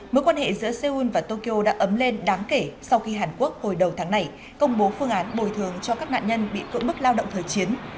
mối quan hệ giữa seoul và tokyo đã ấm lên đáng kể sau khi hàn quốc hồi đầu tháng này công bố phương án bồi thường cho các nạn nhân bị cưỡng bức lao động thời chiến